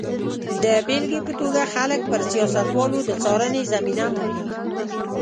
د بېلګې په توګه خلک پر سیاستوالو د څارنې زمینه مومي.